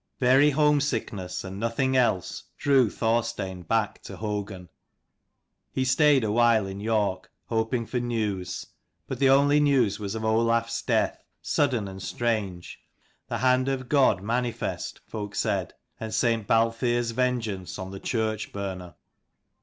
JERY home sickness, and noth CHAPTER [ing else, drew Thorstein back XLIV. [to Hougun. He stayed awhile WOOD [in York, hoping for news; but EIDERS. [the only news was of Olaf s [death, sudden and strange, the hand of God manifest, folk said, and St. Balthere's vengeance on the church burner.